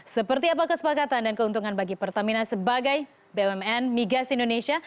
seperti apa kesepakatan dan keuntungan bagi pertamina sebagai bumn migas indonesia